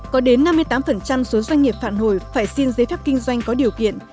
có đến năm mươi tám số doanh nghiệp phản hồi phải xin giấy phép kinh doanh có điều kiện